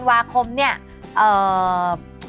สวัสดีครับ